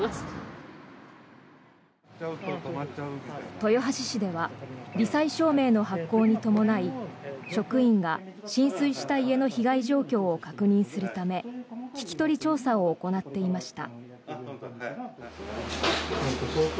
豊橋市ではり災証明の発行に伴い職員が浸水した家の被害状況を確認するため聞き取り調査を行っていました。